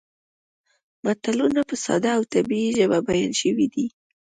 متلونه په ساده او طبیعي ژبه بیان شوي دي